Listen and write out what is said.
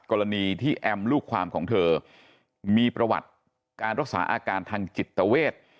กรณีที่แอมลูกความของเธอมีประวัติการรักษาอาการทางจิตเวท